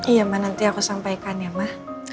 iya mbak nanti aku sampaikan ya mak